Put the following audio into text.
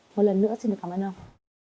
một lần nữa xin cảm ơn ông